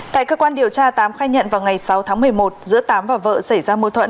tại cơ quan điều tra tám khai nhận vào ngày sáu tháng một mươi một giữa tám và vợ xảy ra mâu thuẫn